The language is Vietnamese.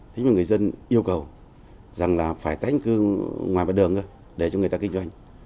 thế nhưng người dân yêu cầu rằng là phải tanh cư ngoài mặt đường thôi để cho người ta kinh doanh